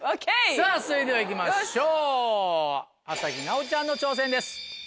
さぁそれではいきましょう朝日奈央ちゃんの挑戦です。